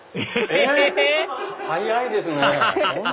えっ⁉早いですね。